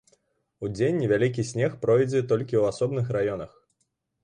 Удзень невялікі снег пройдзе толькі ў асобных раёнах.